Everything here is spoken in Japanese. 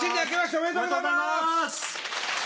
おめでとうございます！